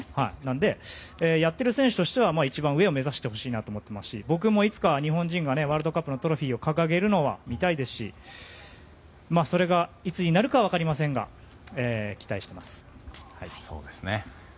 やっている選手としては一番上を目指してほしいなと思いますし僕もいつかは日本人がワールドカップのトロフィーを掲げるのは見たいですしそれがいつになるかは分かりませんが期待しています。